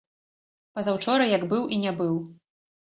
Пазаўчора як быў і не быў.